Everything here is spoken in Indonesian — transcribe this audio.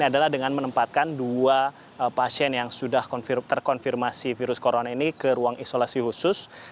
adalah dengan menempatkan dua pasien yang sudah terkonfirmasi virus corona ini ke ruang isolasi khusus